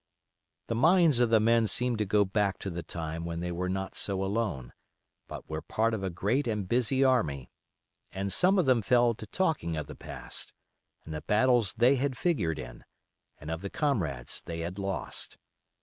The minds of the men seemed to go back to the time when they were not so alone, but were part of a great and busy army, and some of them fell to talking of the past, and the battles they had figured in, and of the comrades they had lost.